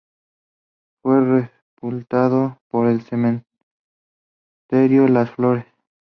Fue sepultado en el cementerio Las Flores.